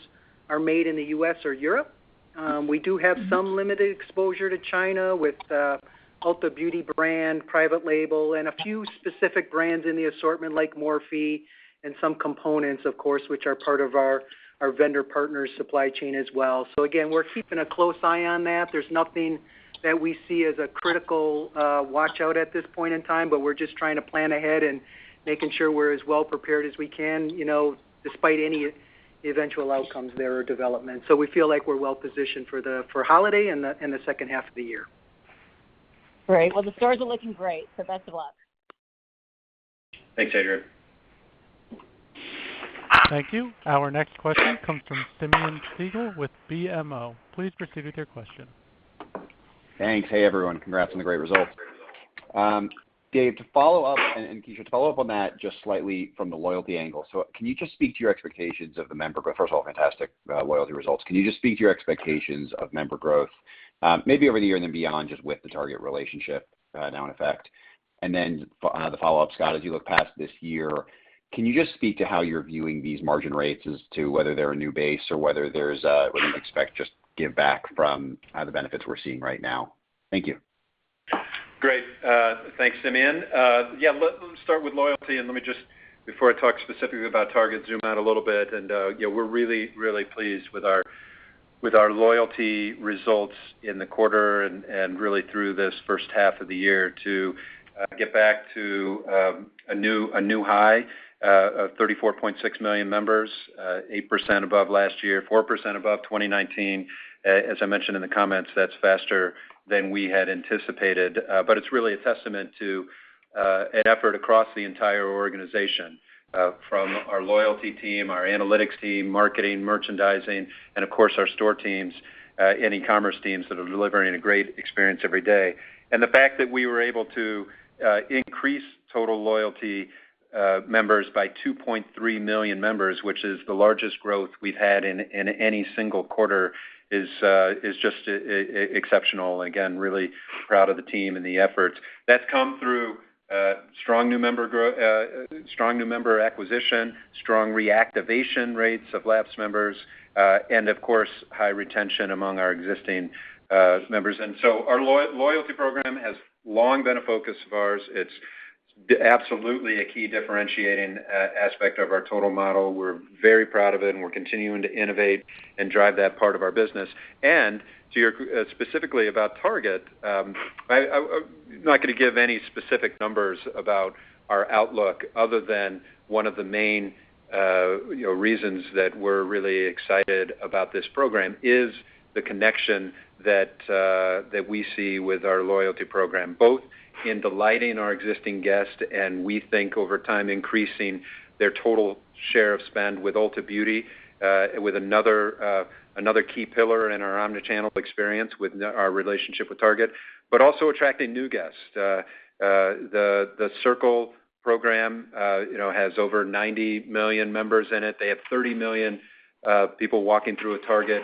are made in the U.S. or Europe. We do have some limited exposure to China with Ulta Beauty brand, private label, and a few specific brands in the assortment, like Morphe, and some components, of course, which are part of our vendor partners' supply chain as well. Again, we're keeping a close eye on that. There's nothing that we see as a critical watch-out at this point in time, but we're just trying to plan ahead and making sure we're as well prepared as we can despite any eventual outcomes there or development. We feel like we're well-positioned for holiday and the second half of the year. Great. Well, the stores are looking great, so best of luck. Thanks, Adrienne. Thank you. Our next question comes from Simeon Siegel with BMO. Please proceed with your question. Thanks. Hey, everyone. Congrats on the great results. Dave, to follow up, and Kecia, to follow up on that just slightly from the loyalty angle. Can you just speak to your expectations of the member, but first of all, fantastic loyalty results? Can you just speak to your expectations of member growth, maybe over the year and then beyond, just with the Target relationship, now in effect? The follow-up, Scott, as you look past this year, can you just speak to how you're viewing these margin rates as to whether they're a new base or what do you expect just give back from the benefits we're seeing right now? Thank you. Great. Thanks, Simeon. Let me start with loyalty, let me just, before I talk specifically about Target, zoom out a little bit, we're really, really pleased with our loyalty results in the quarter and really through this first half of the year to get back to a new high of 34.6 million members, 8% above last year, 4% above 2019. As I mentioned in the comments, that's faster than we had anticipated. It's really a testament to an effort across the entire organization, from our loyalty team, our analytics team, marketing, merchandising, and of course, our store teams, and e-commerce teams that are delivering a great experience every day. The fact that we were able to increase total loyalty members by 2.3 million members, which is the largest growth we've had in any single quarter, is just exceptional. Again, really proud of the team and the efforts. That's come through strong new member acquisition, strong reactivation rates of lapsed members, and of course, high retention among our existing members. Our loyalty program has long been a focus of ours. It's absolutely a key differentiating aspect of our total model. We're very proud of it, and we're continuing to innovate and drive that part of our business. Specifically about Target, I'm not going to give any specific numbers about our outlook other than one of the main reasons that we're really excited about this program is the connection that we see with our loyalty program, both in delighting our existing guest, and we think over time, increasing their total share of spend with Ulta Beauty, with another key pillar in our omni-channel experience with our relationship with Target, but also attracting new guests. The Target Circle program has over 90 million members in it. They have 30 million people walking through a Target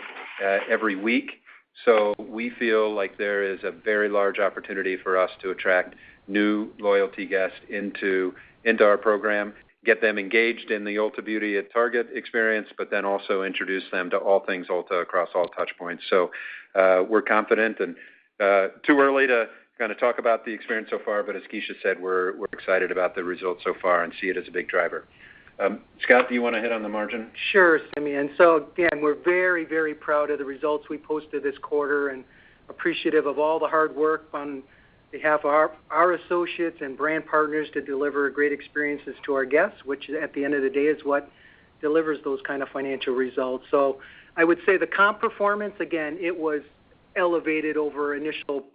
every week. We feel like there is a very large opportunity for us to attract new loyalty guests into our program, get them engaged in the Ulta Beauty at Target experience, but then also introduce them to all things Ulta across all touchpoints. We're confident and too early to talk about the experience so far, but as Kecia said, we're excited about the results so far and see it as a big driver. Scott, do you want to hit on the margin? Sure, Simeon. Again, we're very, very proud of the results we posted this quarter and appreciative of all the hard work on behalf of our associates and brand partners to deliver great experiences to our guests, which at the end of the day, is what delivers those kind of financial results. I would say the comp performance, again, it was elevated over initial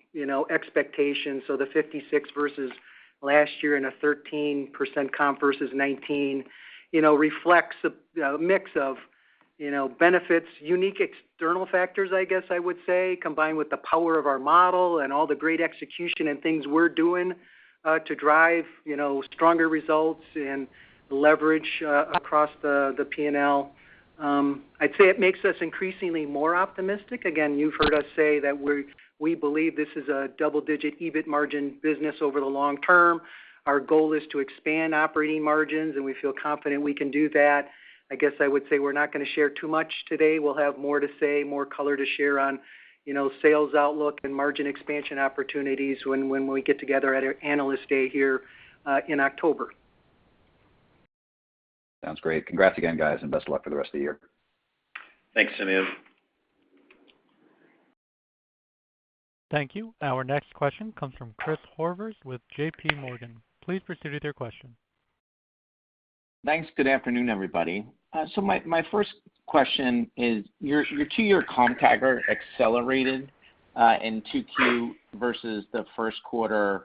expectations. The 56% versus last year and a 13% comp versus 2019 reflects a mix of benefits, unique external factors, I guess I would say, combined with the power of our model and all the great execution and things we're doing to drive stronger results and leverage across the P&L. I'd say it makes us increasingly more optimistic. Again, you've heard us say that we believe this is a double-digit EBIT margin business over the long term. Our goal is to expand operating margins, and we feel confident we can do that. I guess I would say we're not going to share too much today. We'll have more to say, more color to share on sales outlook and margin expansion opportunities when we get together at our Analyst Day here in October. Sounds great. Congrats again, guys, and best of luck for the rest of the year. Thanks, Simeon. Thank you. Our next question comes from Chris Horvers with JPMorgan. Please proceed with your question. Thanks. Good afternoon, everybody. My first question is, your two-year comp tag are accelerated, in Q2 versus the first quarter.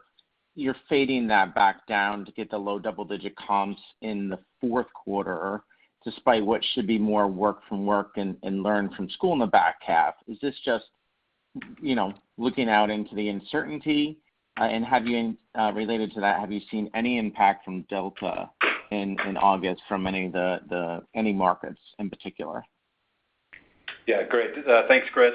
You're fading that back down to get the low double-digit comps in the fourth quarter, despite what should be more work from work and learn from school in the back half. Is this just looking out into the uncertainty? Related to that, have you seen any impact from Delta in August from any markets in particular? Great. Thanks, Chris.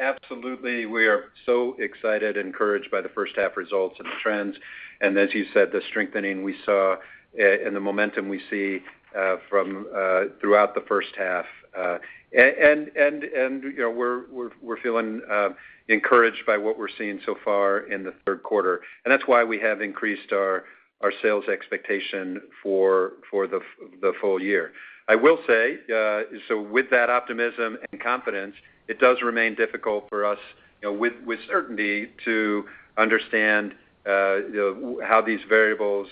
Absolutely. We are so excited and encouraged by the first half results and the trends, and as you said, the strengthening we saw and the momentum we see throughout the first half. We're feeling encouraged by what we're seeing so far in the third quarter, and that's why we have increased our sales expectation for the full year. I will say, with that optimism and confidence, it does remain difficult for us, with certainty, to understand how these variables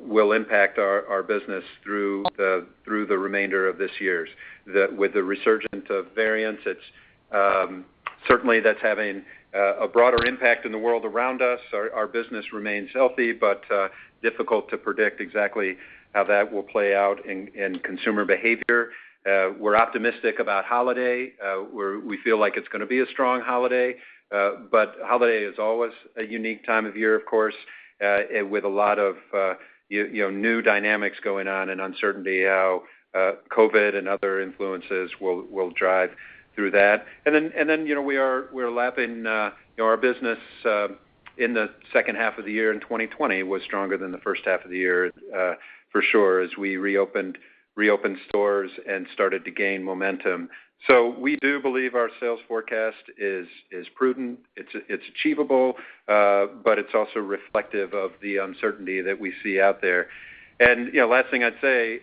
will impact our business through the remainder of this year. With the resurgence of variants, it's certainly, that's having a broader impact in the world around us. Our business remains healthy, but difficult to predict exactly how that will play out in consumer behavior. We're optimistic about holiday. We feel like it's going to be a strong holiday, but holiday is always a unique time of year, of course, with a lot of new dynamics going on and uncertainty how COVID and other influences will drive through that. We are lapping our business in the second half of the year in 2020 was stronger than the first half of the year for sure, as we reopened stores and started to gain momentum. We do believe our sales forecast is prudent, it's achievable, but it's also reflective of the uncertainty that we see out there. Last thing I'd say,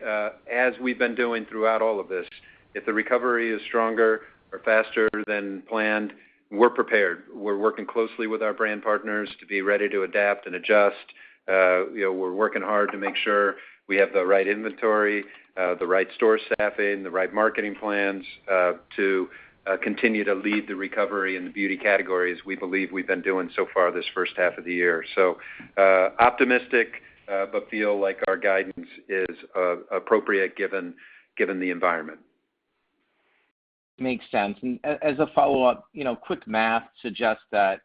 as we've been doing throughout all of this, if the recovery is stronger or faster than planned, we're prepared. We're working closely with our brand partners to be ready to adapt and adjust. We're working hard to make sure we have the right inventory, the right store staffing, the right marketing plans to continue to lead the recovery in the beauty category as we believe we've been doing so far this first half of the year. Optimistic, but feel like our guidance is appropriate given the environment. Makes sense. As a follow-up, quick math suggests that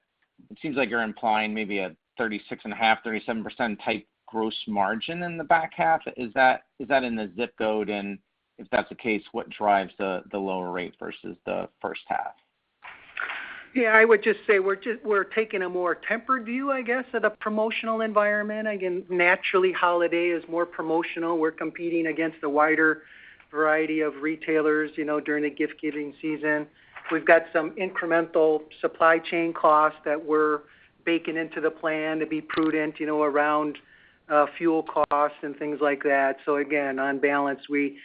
it seems like you're implying maybe a 36.5%, 37%-type gross margin in the back half. Is that in the zip code? If that's the case, what drives the lower rate versus the first half? Yeah, I would just say we're taking a more tempered view, I guess, of the promotional environment. Again, naturally, holiday is more promotional. We're competing against a wider variety of retailers during the gift-giving season. We've got some incremental supply chain costs that we're baking into the plan to be prudent around fuel costs and things like that. Again, on balance, we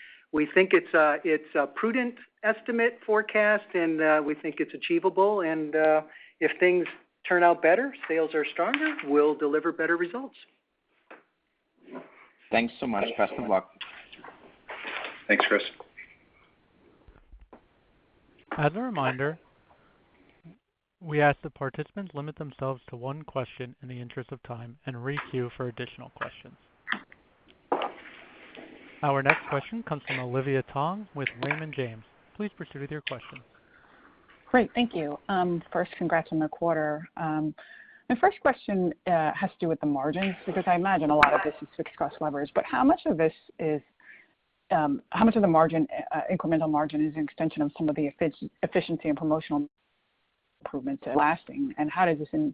think it's a prudent estimate forecast, and we think it's achievable. If things turn out better, sales are stronger, we'll deliver better results. Thanks so much. Best of luck. Thanks, Chris. As a reminder, we ask that participants limit themselves to one question in the interest of time and re-queue for additional questions. Our next question comes from Olivia Tong with Raymond James. Please proceed with your question. Great. Thank you. First, congrats on the quarter. My first question has to do with the margins, because I imagine a lot of this is fixed cost levers. How much of the incremental margin is an extension of some of the efficiency and promotional improvements lasting, and how does this in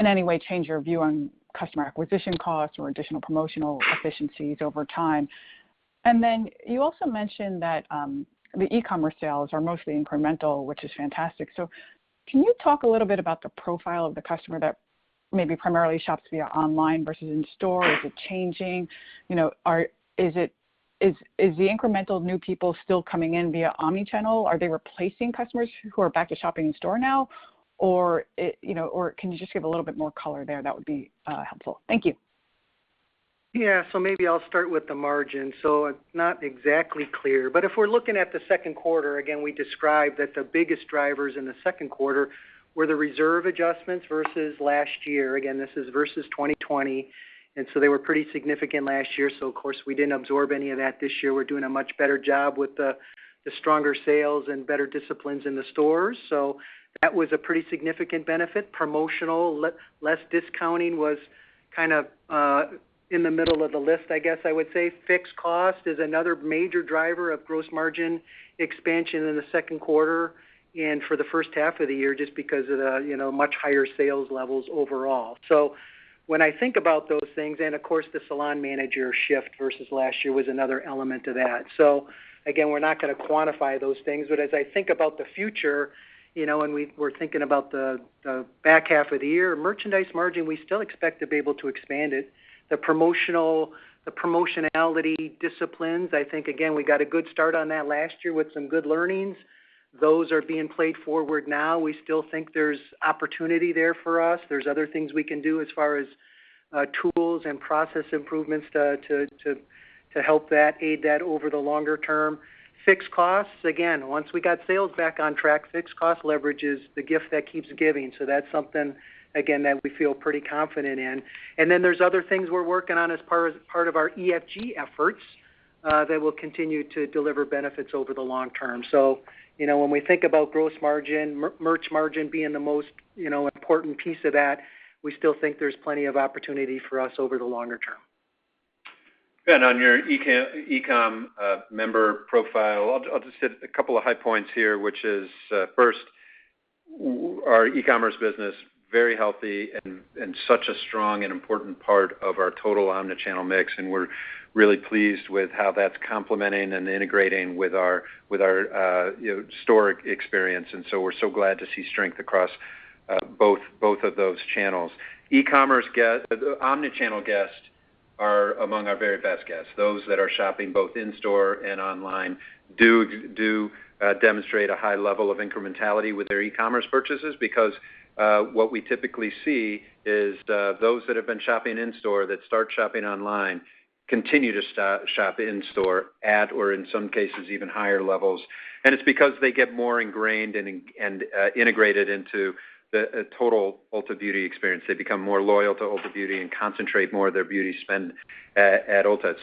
any way change your view on customer acquisition costs or additional promotional efficiencies over time? You also mentioned that the e-commerce sales are mostly incremental, which is fantastic. Can you talk a little bit about the profile of the customer that maybe primarily shops via online versus in store? Is it changing? Is the incremental new people still coming in via omni-channel? Are they replacing customers who are back to shopping in store now? Can you just give a little bit more color there? That would be helpful. Thank you. Yeah. Maybe I'll start with the margin. It's not exactly clear, but if we're looking at the second quarter, again, we described that the biggest drivers in the second quarter were the reserve adjustments versus last year. Again, this is versus 2020, and so they were pretty significant last year, so of course, we didn't absorb any of that this year. We're doing a much better job with the stronger sales and better disciplines in the stores. That was a pretty significant benefit. Promotional, less discounting was kind of in the middle of the list, I guess I would say. Fixed cost is another major driver of gross margin expansion in the second quarter and for the first half of the year, just because of the much higher sales levels overall. When I think about those things, and of course, the salon manager shift versus last year was another element of that. Again, we're not going to quantify those things, but as I think about the future, and we're thinking about the back half of the year, merchandise margin, we still expect to be able to expand it. The promotionality disciplines, I think, again, we got a good start on that last year with some good learnings. Those are being played forward now. We still think there's opportunity there for us. There's other things we can do as far as tools and process improvements to help aid that over the longer term. Fixed costs, again, once we got sales back on track, fixed cost leverage is the gift that keeps giving. That's something, again, that we feel pretty confident in. Then there's other things we're working on as part of our ESG efforts that will continue to deliver benefits over the long term. When we think about gross margin, merch margin being the most important piece of that, we still think there's plenty of opportunity for us over the longer term. On your e-com member profile, I'll just hit a couple of high points here, which is, first, our e-commerce business, very healthy and such a strong and important part of our total omni-channel mix, and we're really pleased with how that's complementing and integrating with our store experience. We're so glad to see strength across both of those channels. Omni-channel guests are among our very best guests. Those that are shopping both in store and online do demonstrate a high level of incrementality with their e-commerce purchases, because what we typically see is those that have been shopping in store that start shopping online continue to shop in store at, or in some cases, even higher levels. It's because they get more ingrained and integrated into the total Ulta Beauty experience. They become more loyal to Ulta Beauty and concentrate more of their beauty spend at Ulta.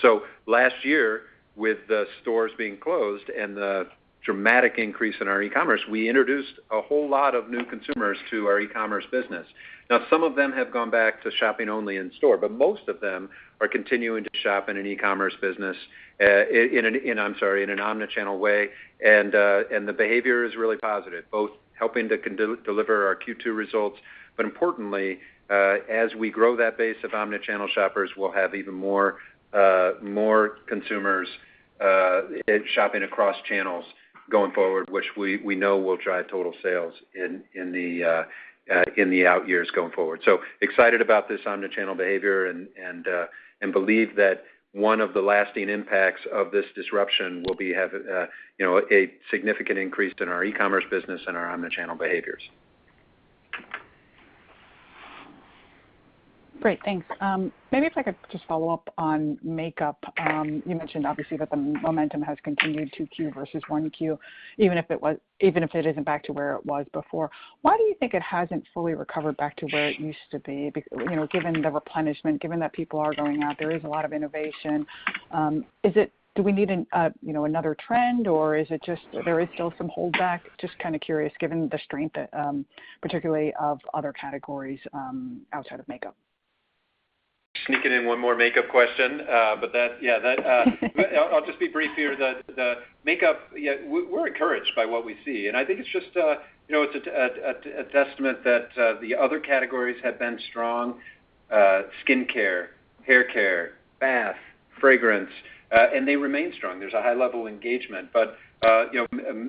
Last year, with the stores being closed and the dramatic increase in our e-commerce, we introduced a whole lot of new consumers to our e-commerce business. Now, some of them have gone back to shopping only in store, but most of them are continuing to shop in an e-commerce business in an omnichannel way. The behavior is really positive, both helping to deliver our Q2 results. Importantly, as we grow that base of omnichannel shoppers, we'll have even more consumers shopping across channels going forward, which we know will drive total sales in the out years going forward. Excited about this omnichannel behavior and believe that one of the lasting impacts of this disruption will be having a significant increase in our e-commerce business and our omnichannel behaviors. Great, thanks. Maybe if I could just follow up on makeup. You mentioned obviously that the momentum has continued 2Q versus 1Q, even if it isn't back to where it was before. Why do you think it hasn't fully recovered back to where it used to be given the replenishment, given that people are going out, there is a lot of innovation? Do we need another trend, or is it just there is still some holdback? Just kind of curious given the strength, particularly of other categories outside of makeup. Sneaking in one more makeup question. That, yeah, I'll just be brief here. The makeup, we're encouraged by what we see, and I think it's a testament that the other categories have been strong: skincare, haircare, bath, fragrance, and they remain strong. There's a high level of engagement.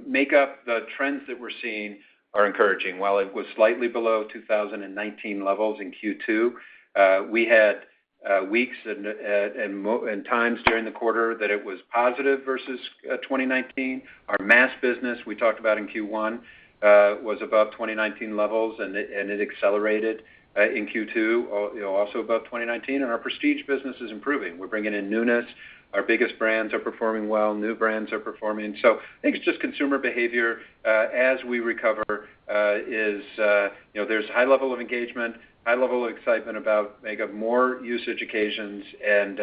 Makeup, the trends that we're seeing are encouraging. While it was slightly below 2019 levels in Q2, we had weeks and times during the quarter that it was positive versus 2019. Our mass business, we talked about in Q1, was above 2019 levels, and it accelerated in Q2, also above 2019. Our prestige business is improving. We're bringing in newness. Our biggest brands are performing well, new brands are performing. I think it's just consumer behavior as we recover is there's a high level of engagement, high level of excitement about makeup, more usage occasions, and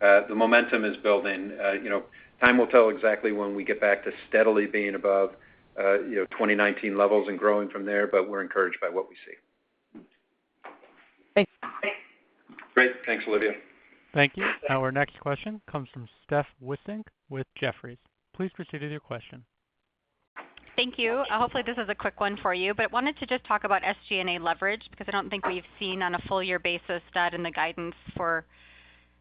the momentum is building. Time will tell exactly when we get back to steadily being above 2019 levels and growing from there, but we're encouraged by what we see. Thanks. Great. Thanks, Olivia. Thank you. Our next question comes from Steph Wissink with Jefferies. Please proceed with your question. Thank you. Hopefully, this is a quick one for you, but wanted to just talk about SG&A leverage because I don't think we've seen on a full year basis that in the guidance for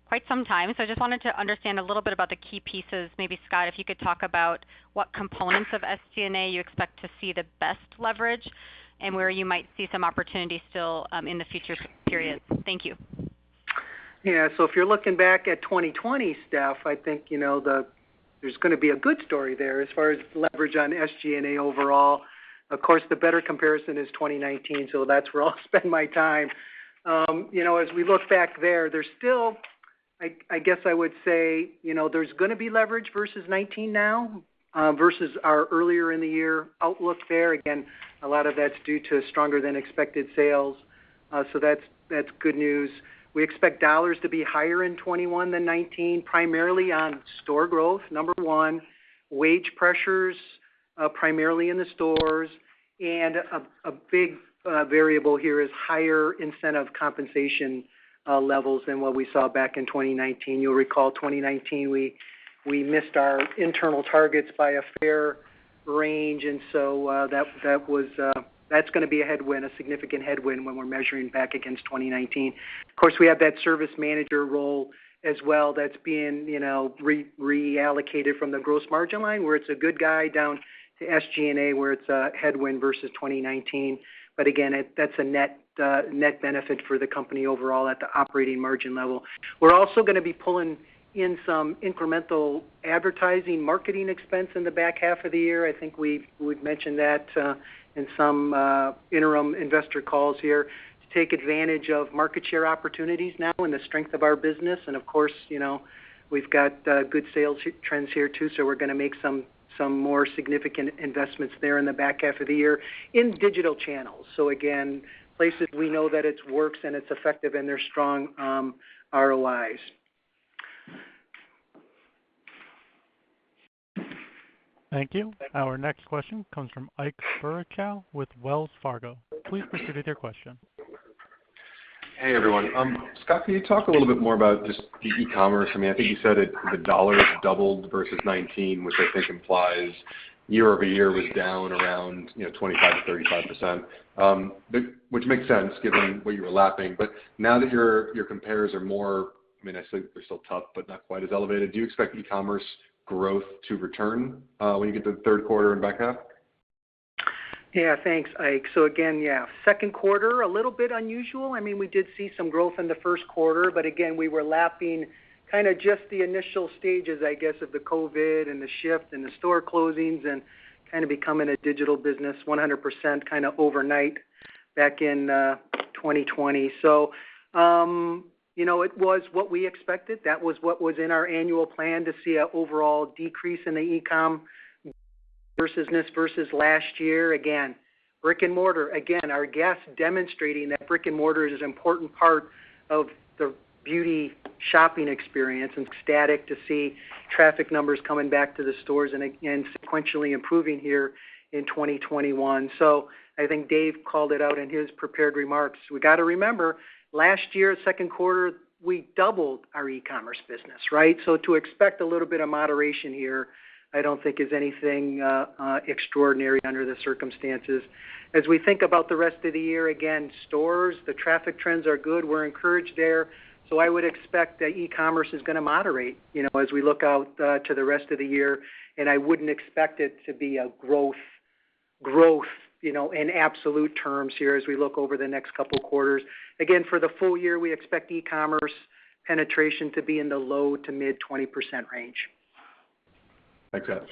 quite some time. I just wanted to understand a little bit about the key pieces. Maybe, Scott, if you could talk about what components of SG&A you expect to see the best leverage and where you might see some opportunities still in the future period. Thank you. Yeah. If you're looking back at 2020, Steph, I think there's going to be a good story there as far as leverage on SG&A overall. Of course, the better comparison is 2019, so that's where I'll spend my time. As we look back there, I guess I would say there's going to be leverage versus 2019 now versus our earlier in the year outlook there. A lot of that's due to stronger than expected sales. That's good news. We expect dollars to be higher in 2021 than 2019, primarily on store growth, number 1, wage pressures primarily in the stores, and a big variable here is higher incentive compensation levels than what we saw back in 2019. You'll recall 2019, we missed our internal targets by a fair range, and so that's going to be a significant headwind when we're measuring back against 2019. We have that service manager role as well that's being reallocated from the gross margin line, where it's a good guy down to SG&A, where it's a headwind versus 2019. Again, that's a net benefit for the company overall at the operating margin level. We're also going to be pulling in some incremental advertising marketing expense in the back half of the year. I think we've mentioned that in some interim investor calls here to take advantage of market share opportunities now and the strength of our business. We've got good sales trends here too. We're going to make some more significant investments there in the back half of the year in digital channels. Again, places we know that it works and it's effective and there's strong ROIs. Thank you. Our next question comes from Ike Boruchow with Wells Fargo. Please proceed with your question. Hey, everyone. Scott, can you talk a little bit more about just the e-commerce? I think you said the dollars doubled versus 2019, which I think implies year-over-year was down around 25%-35%, which makes sense given what you were lapping. Now that your compares are more, they're still tough, but not quite as elevated, do you expect e-commerce growth to return when you get to the third quarter and back half? Thanks, Ike. Again, second quarter, a little bit unusual. We did see some growth in the first quarter, again, we were lapping kind of just the initial stages, I guess, of the COVID and the shift and the store closings and kind of becoming a digital business 100% overnight back in 2020. It was what we expected. That was what was in our annual plan, to see an overall decrease in the e-com business versus last year. Again, our guests demonstrating that brick and mortar is an important part of the beauty shopping experience. Ecstatic to see traffic numbers coming back to the stores and again sequentially improving here in 2021. I think Dave called it out in his prepared remarks. We got to remember, last year, second quarter, we doubled our e-commerce business, right? To expect a little bit of moderation here, I don't think is anything extraordinary under the circumstances. As we think about the rest of the year, again, stores, the traffic trends are good. We're encouraged there. I would expect that e-commerce is going to moderate as we look out to the rest of the year, and I wouldn't expect it to be a growth in absolute terms here as we look over the next couple of quarters. Again, for the full year, we expect e-commerce penetration to be in the low to mid 20% range. Thanks, Scott.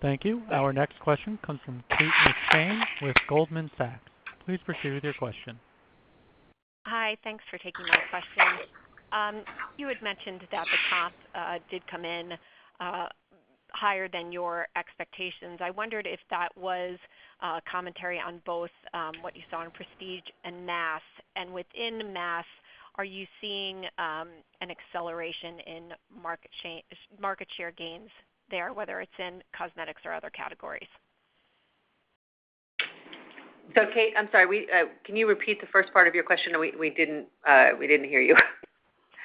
Thank you. Our next question comes from Kate McShane with Goldman Sachs. Please proceed with your question. Hi. Thanks for taking my question. You had mentioned that the comp did come in higher than your expectations. I wondered if that was commentary on both what you saw in prestige and mass, and within mass, are you seeing an acceleration in market share gains there, whether it's in cosmetics or other categories? Kate, I'm sorry. Can you repeat the first part of your question? We didn't hear you.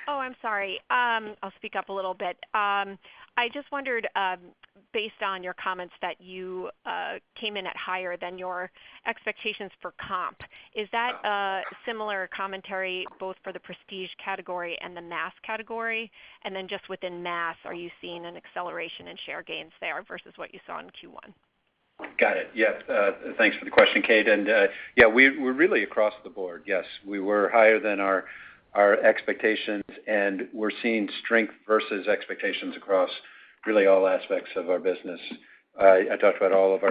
Oh, I'm sorry. I'll speak up a little bit. I just wondered, based on your comments that you came in at higher than your expectations for comp, is that a similar commentary both for the prestige category and the mass category? Just within mass, are you seeing an acceleration in share gains there versus what you saw in Q1? Got it. Thanks for the question, Kate. We're really across the board. We were higher than our expectations, and we're seeing strength versus expectations across really all aspects of our business. I talked about all of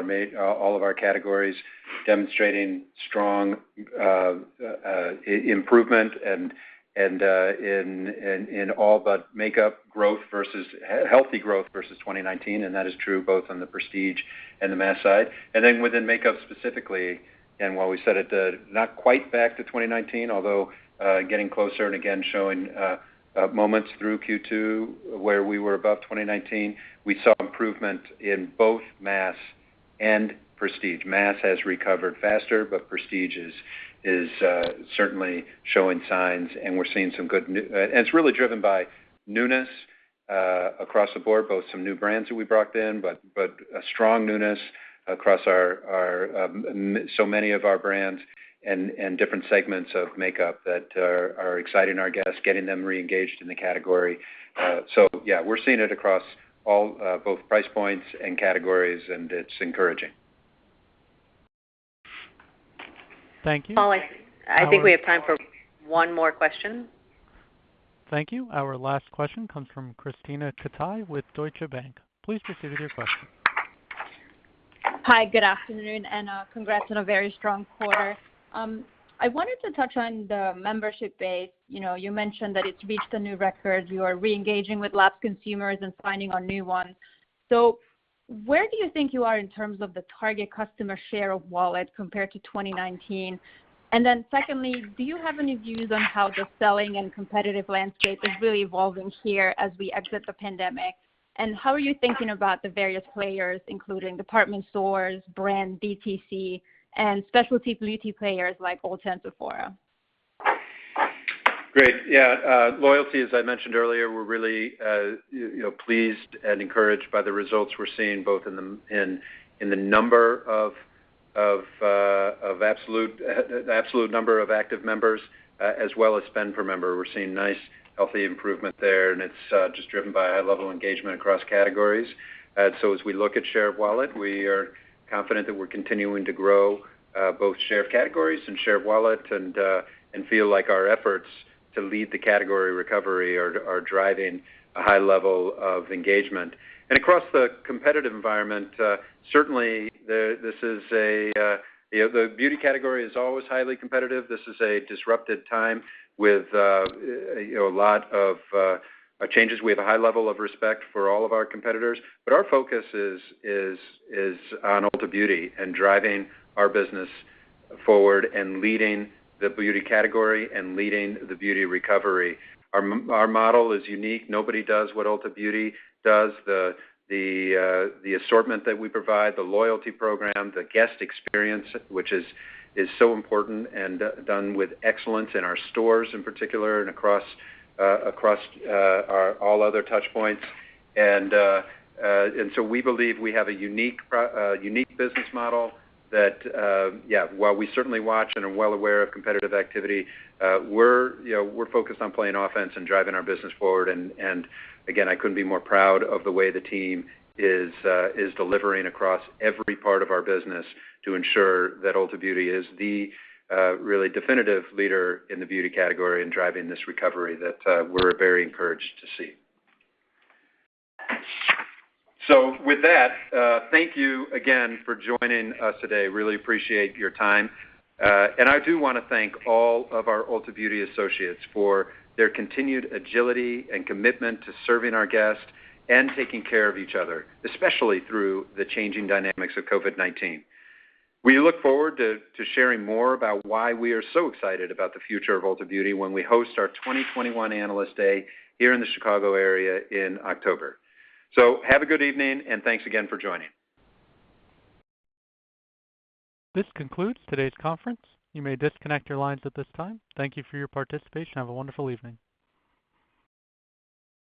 our categories demonstrating strong improvement. In all but makeup, healthy growth versus 2019, that is true both on the prestige and the mass side. Within makeup specifically, while we said it not quite back to 2019, although getting closer and again showing moments through Q2 where we were above 2019, we saw improvement in both mass and prestige. Mass has recovered faster. Prestige is certainly showing signs. It's really driven by newness across the board, both some new brands that we brought in, but a strong newness across so many of our brands and different segments of makeup that are exciting our guests, getting them reengaged in the category. Yeah, we're seeing it across both price points and categories. It's encouraging. Thank you. Paul, I think we have time for one more question. Thank you. Our last question comes from Krisztina Katai with Deutsche Bank. Please proceed with your question. Hi, good afternoon, and congrats on a very strong quarter. I wanted to touch on the membership base. You mentioned that it reached a new record. You are reengaging with lost consumers and finding new ones. Where do you think you are in terms of the target customer share of wallet compared to 2019? Secondly, do you have any views on how the selling and competitive landscape is really evolving here as we exit the pandemic? How are you thinking about the various players, including department stores, brand DTC, and specialty beauty players like Ulta Beauty and Sephora? Great. Yeah. Loyalty, as I mentioned earlier, we're really pleased and encouraged by the results we're seeing both in the absolute number of active members as well as spend per member. We're seeing nice, healthy improvement there. It's just driven by a high level of engagement across categories. As we look at share of wallet, we are confident that we're continuing to grow both share of categories and share of wallet and feel like our efforts to lead the category recovery are driving a high level of engagement. Across the competitive environment, certainly, the beauty category is always highly competitive. This is a disrupted time with a lot of changes. We have a high level of respect for all of our competitors, but our focus is on Ulta Beauty and driving our business forward and leading the beauty category and leading the beauty recovery. Our model is unique. Nobody does what Ulta Beauty does. The assortment that we provide, the loyalty program, the guest experience, which is so important and done with excellence in our stores in particular and across all other touchpoints. We believe we have a unique business model that, yeah, while we certainly watch and are well aware of competitive activity, we're focused on playing offense and driving our business forward. I couldn't be more proud of the way the team is delivering across every part of our business to ensure that Ulta Beauty is the really definitive leader in the beauty category and driving this recovery that we're very encouraged to see. With that, thank you again for joining us today. Really appreciate your time. I do want to thank all of our Ulta Beauty associates for their continued agility and commitment to serving our guests and taking care of each other, especially through the changing dynamics of COVID-19. We look forward to sharing more about why we are so excited about the future of Ulta Beauty when we host our 2021 Analyst Day here in the Chicago area in October. Have a good evening, and thanks again for joining. This concludes today's conference. You may disconnect your lines at this time. Thank you for your participation. Have a wonderful evening.